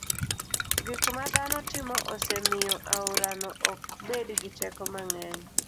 gik ma dhano timo osemiyo aorano ok bed gi teko mang'eny.